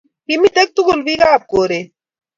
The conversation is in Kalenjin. kimite tugul bikaap koret